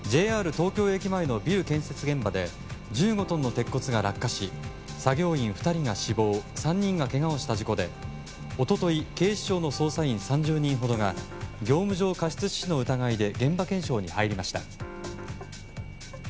東京駅前のビル建設現場で１５トンの鉄骨が落下し作業員２人が死亡３人がけがをした事故で一昨日、警視庁の捜査員３０人ほどが業務上過失致死の疑いで現場検証に入りました。